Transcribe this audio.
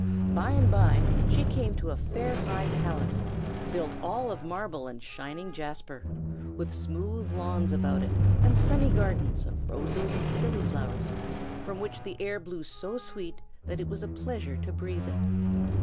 By and by she came to a fair high palace, built all of marble and shining jasper, with smooth lawns about it, and sunny gardens of roses and gillyflowers, from which the air blew so sweet that it was a pleasure to breathe it.